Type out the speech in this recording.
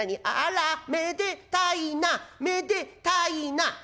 『あらめでたいなめでたいな』」。